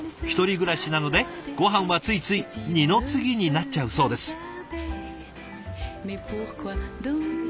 １人暮らしなのでごはんはついつい二の次になっちゃうそうです。